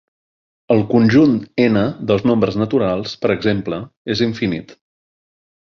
El conjunt ℕ dels nombres naturals, per exemple, és infinit.